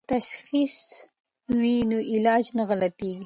که تشخیص وي نو علاج نه غلطیږي.